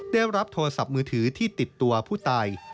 ได้รับโทรศัพท์มือถือที่ติดตัวผู้ตาย